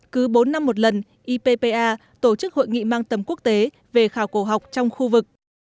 cứ bốn năm một lần ippa tổ chức hội nghị mang tầm quốc tế về khảo cổ học trong khu vực